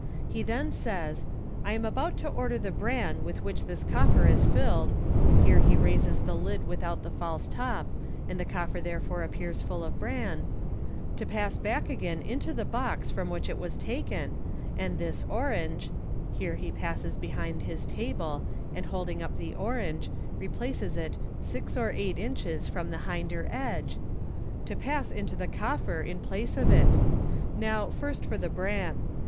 He then says, " I am about to order the bran with which this coffer is filled " (here he raises the lid without the false top, and the coffer therefore appears full of bran) " to pass back again into the box from which it was taken, and this orange " (here he passes behind his table, and holding up the orange, replaces it si x or eight inches from the hinder edge) "to pass into the coffer in place of it. Now, first for the bran.